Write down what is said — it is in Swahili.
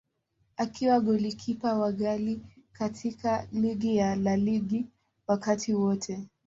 Akiwa golikipa wa ghali katika ligi ya La Liga wakati wote.